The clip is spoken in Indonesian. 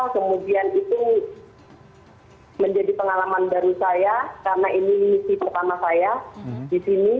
kemudian itu menjadi pengalaman baru saya karena ini misi pertama saya di sini